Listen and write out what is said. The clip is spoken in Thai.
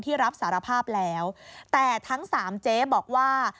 รับสารภาพแล้วแต่ทั้งสามเจ๊บอกว่า